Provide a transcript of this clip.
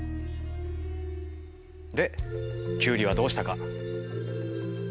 でキュウリはどうしたか？